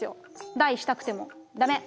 大したくてもダメ！